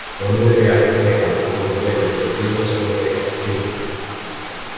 Un ideal generado por un elemento primo es un ideal primo.